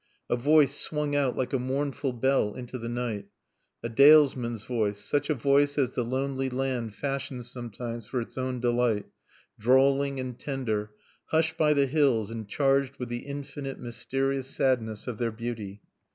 A voice swung out like a mournful bell into the night. A dalesman's voice; such a voice as the lonely land fashions sometimes for its own delight, drawling and tender, hushed by the hills and charged with the infinite, mysterious sadness of their beauty.